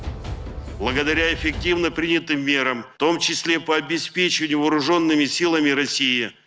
dengan peraturan yang efektif termasuk memperlindungi keamanan rusia